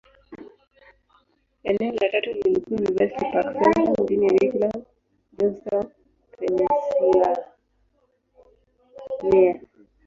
Eneo la tatu lililokuwa University Park Centre, mjini Richland, Johnstown, Pennyslvania.